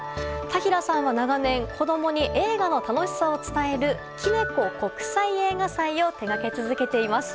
田平さんは長年子供に映画の楽しさを伝えるキネコ国際映画祭を手掛け続けています。